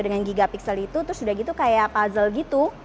dengan gigapiksel itu terus udah gitu kayak puzzle gitu